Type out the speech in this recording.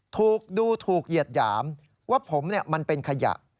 ถูกดูถูกเหยียดหยามว่าผมมันเป็นขยะ